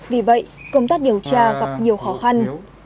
vì vậy công tác điều tra gặp nhiều khó khăn